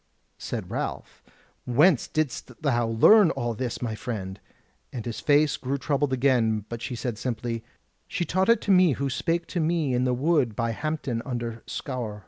Said Ralph: "Whence didst thou learn all this, my friend?" And his face grew troubled again; but she said simply: "She taught it to me who spake to me in the wood by Hampton under Scaur."